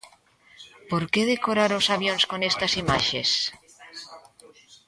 Por que decorar os avións con estas imaxes?